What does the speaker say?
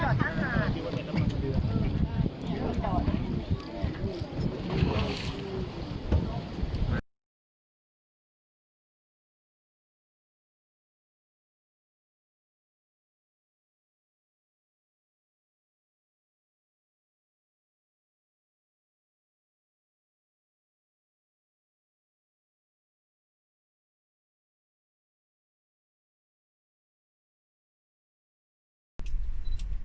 มาร้านนี้เรียกว่าหาดเจ้านหงม